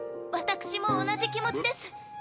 私も同じ気持ちです。